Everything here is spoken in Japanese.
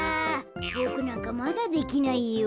ボクなんかまだできないよ。